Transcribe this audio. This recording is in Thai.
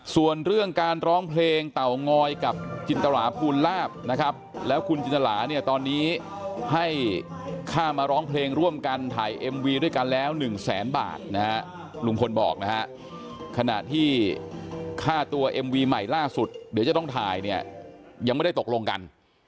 ส่วนเรื่องการร้องเพลงเต่างอยกับจินตราภูลลาบนะครับแล้วคุณจินตราเนี่ยตอนนี้ให้ค่ามาร้องเพลงร่วมกันถ่ายเอ็มวีด้วยกันแล้ว๑แสนบาทนะฮะลุงพลบอกนะฮะขณะที่ค่าตัวเอ็มวีใหม่ล่าสุดเดี๋ยวจะต้องถ่ายเนี่ยยังไม่ได้ตกลงกัน